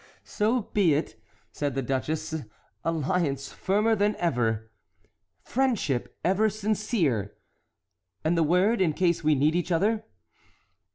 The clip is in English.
"So be it," said the duchess; "alliance firmer than ever." "Friendship ever sincere!" "And the word, in case we need each other?"